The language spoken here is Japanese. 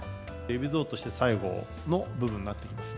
海老蔵として、最後の部分になってきます。